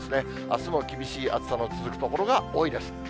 あすも厳しい暑さの続く所が多いです。